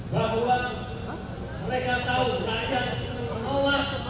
bahwa mereka tahu tak ada penolak